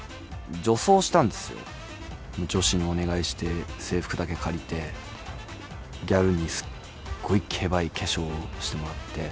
女子にお願いして、制服だけ借りて、ギャルにすっごいけばい化粧をしてもらって。